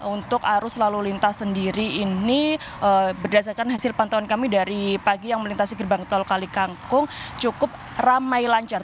untuk arus lalu lintas sendiri ini berdasarkan hasil pantauan kami dari pagi yang melintasi gerbang tol kalikangkung cukup ramai lancar